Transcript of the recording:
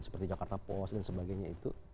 seperti jakarta post dan sebagainya itu